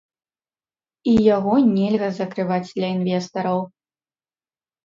І яго нельга закрываць для інвестараў.